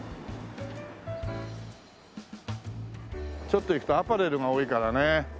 ちょっと行くとアパレルが多いからね。